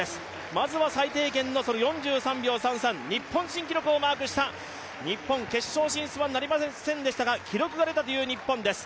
まずは最低限の４３秒３３、日本新記録をマーク、決勝進出はなりませんでしたが記録が出たという日本です。